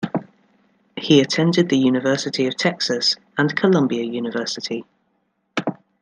He attended the University of Texas and Columbia University.